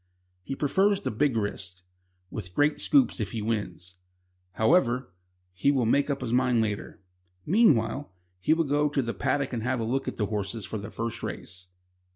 He prefers the big risks, with great scoops if he wins. However, he will make up his mind later. Meanwhile, he will go to the paddock and have a look at the horses for the first race.